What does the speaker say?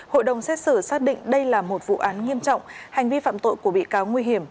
hội đồng xét xử xác định đây là một vụ án nghiêm trọng hành vi phạm tội của bị cáo nguy hiểm